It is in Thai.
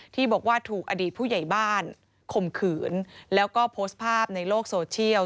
ที่บอกว่าถูกอดีตผู้ใหญ่บ้านข่มขืนแล้วก็โพสต์ภาพในโลกโซเชียล